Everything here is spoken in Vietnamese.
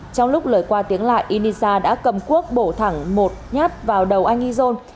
trong lúc lời qua tiếng lại inisa đã cầm quốc bổ thẳng một nhát vào đầu anh izon